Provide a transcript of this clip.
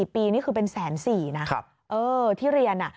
ปีนี่คือเป็น๑๔๐๐นะที่เรียน